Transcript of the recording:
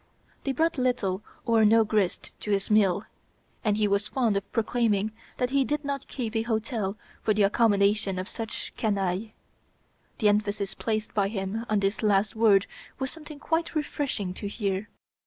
They brought little or no grist to his mill, and he was fond of proclaiming that he did not keep a hotel for the accommodation of such canaille. The emphasis placed by him on this last word was something quite refreshing to hear.